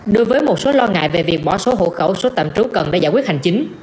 đối với một số lo ngại về việc bỏ số hộ khẩu số tạm trú cần để giải quyết hành chính